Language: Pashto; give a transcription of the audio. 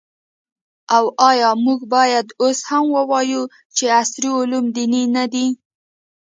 او آیا موږ باید اوس هم ووایو چې عصري علوم دیني نه دي؟